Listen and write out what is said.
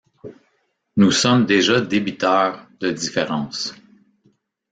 Nous sommes déjà débiteurs de différences.